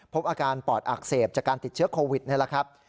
พบอาการปอดอักเสบจากการติดเชื้อโควิดนี่แหละครับ